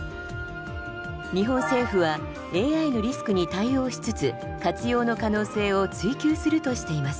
日本政府はＡＩのリスクに対応しつつ活用の可能性を追求するとしています。